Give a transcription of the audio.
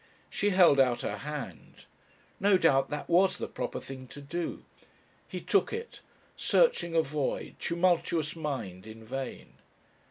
She held out her hand. No doubt that was the proper thing to do. He took it, searching a void, tumultuous mind in vain.